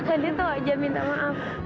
adit tuh aja minta maaf